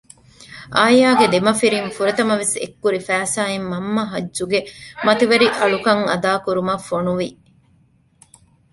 އާޔާގެ ދެމަފިރިން ފުރަތަމަވެސް އެއްކުރި ފައިސާއިން މަންމަ ހައްޖުގެ މަތިވެރި އަޅުކަން އަދާކުރުމަށް ފޮނުވި